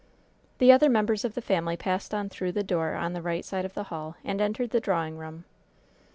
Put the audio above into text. The other members of the family passed on through the door on the right side of the hall and entered the drawing room.